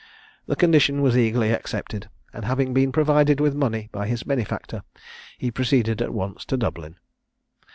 The condition was eagerly accepted, and having been provided with money by his benefactor, he proceeded at once to Dublin.